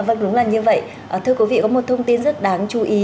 vâng đúng là như vậy thưa quý vị có một thông tin rất đáng chú ý